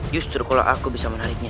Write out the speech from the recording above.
justru kalau aku bisa menariknya